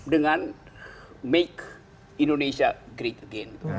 dengan make indonesia great again